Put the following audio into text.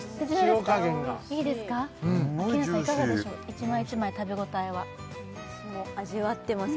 一枚一枚食べごたえは味わってます